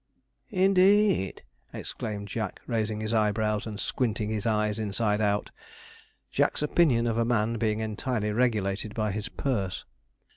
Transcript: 'Indeed,' exclaimed Jack, raising his eyebrows, and squinting his eyes inside out; Jack's opinion of a man being entirely regulated by his purse.